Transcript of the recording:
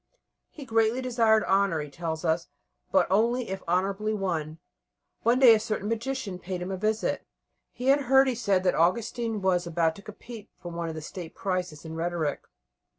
He greatly desired honour, he tells us, but only if honourably won. One day a certain magician paid him a visit. He had heard, he said, that Augustine was about to compete for one of the State prizes in rhetoric.